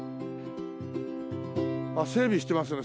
あっ整備してますね。